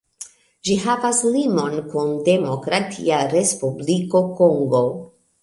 Ĝi havas limon kun Demokratia Respubliko Kongo.